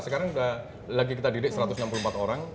sekarang sudah lagi kita didik satu ratus enam puluh empat orang